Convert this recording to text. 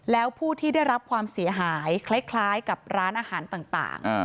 แล้วผู้ที่ได้รับความเสียหายคล้ายกับร้านอาหารต่าง